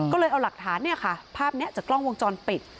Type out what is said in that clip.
ก็เลยเอาหลักฐานเนี่ยค่ะภาพนี้จากกล้องวงจรปิด